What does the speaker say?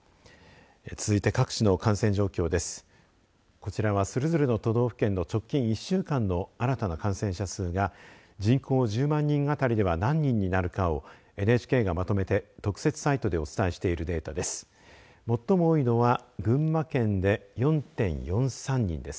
こちらは、それぞれの都道府県の直近１週間の新たな感染者数が人口１０万人あたりでは何人になるかをＮＨＫがまとめて特設サイトでお伝えしているデータです。